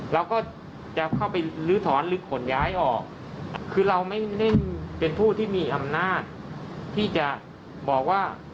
เราก็จะเข้าไปลื้อถอนหรือขนย้ายออกคือเราไม่ได้เป็นผู้ที่มีอำนาจที่จะบอกว่า